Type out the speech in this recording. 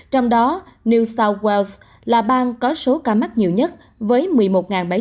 trong đó new south wales là bang có số ca mắc nhiều nhất với một mươi một bảy trăm linh ca mắc mới